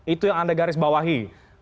itu yang anda garis bawahi